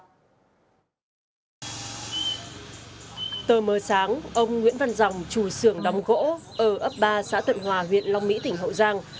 tờ mờ sáng ông nguyễn văn dòng chủ xưởng đóng gỗ ở ấp ba xã tận hòa huyện long mỹ tỉnh hậu giang